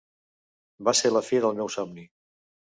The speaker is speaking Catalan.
Va ser la fi del meu somni.